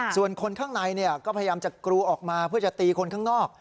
ส่วนคนข้างในก็พยายามจะกรูออกมาเพื่อจะตีคนข้างนอก